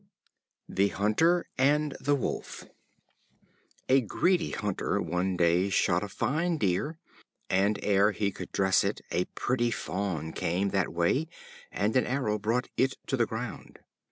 The Hunter and the Wolf. A greedy Hunter one day shot a fine Deer, and ere he could dress it, a pretty Fawn came that way, and an arrow brought it to the ground.